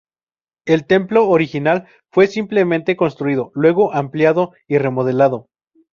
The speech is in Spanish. El templo original fue simplemente construido, luego ampliado y remodelado.